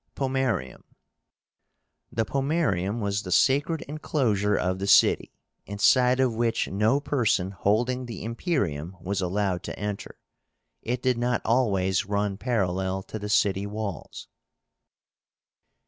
POMOERIUM. The Pomoerium was the sacred enclosure of the city, inside of which no person holding the Imperium was allowed to enter. It did not always run parallel to the city walls.